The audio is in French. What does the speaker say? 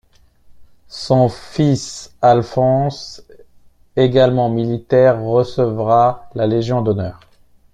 Son fils Alphonse, également militaire, recevra la Légion d'honneur.